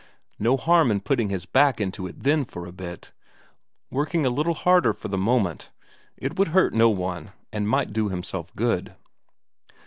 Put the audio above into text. No harm in putting his back into it then for a bit, working a little harder for the moment it would hurt no one, and might do himself good.